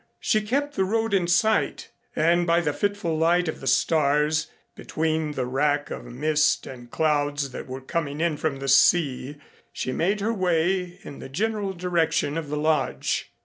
She kept the road in sight and by the fitful light of the stars, between the rack of mist and clouds that were coming in from the sea, she made her way in the general direction of the Lodge.